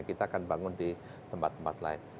kita akan bangun di tempat tempat lain